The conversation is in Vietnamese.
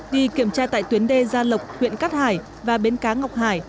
đi kiểm tra tại tuyến đê gia lộc huyện cát hải và bến cá ngọc hải